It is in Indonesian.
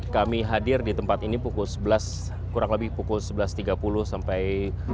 kami hadir di tempat ini pukul sebelas tiga puluh sampai sebelas empat puluh lima